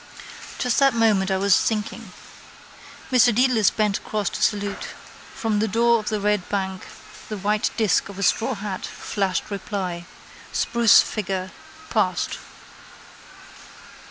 Just that moment I was thinking. Mr Dedalus bent across to salute. From the door of the Red Bank the white disc of a straw hat flashed reply: spruce figure: passed.